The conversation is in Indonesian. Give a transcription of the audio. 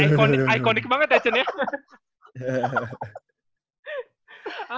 jadi jadi ikonik banget ya cen ya